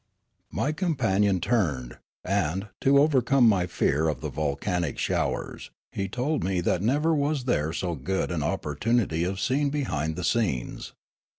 My companion returned, and, to overcome my fear of the volcanic showers, he told me that never was there so good an opportunity of seeing behind the scenes.